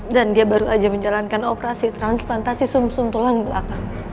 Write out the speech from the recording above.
dan dia baru aja menjalankan operasi transplantasi sum sum tulang belakang